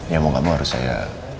ya mau gak mau harus saya